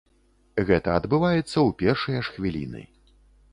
Гэта адбываецца ў першыя ж хвіліны.